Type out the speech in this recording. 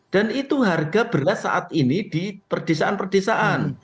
dan itu harga beras saat ini di perdesaan perdesaan